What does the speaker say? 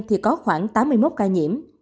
thì có khoảng tám mươi một ca nhiễm